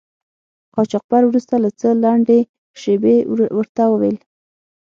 قاچاقبر وروسته له څه لنډې شیبې ورته و ویل.